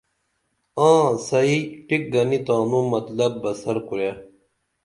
آں سئی ٹِک گنی تانوں مطلب بہ سر کُرے